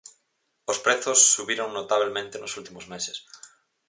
Os prezos subiron notabelmente nos últimos meses.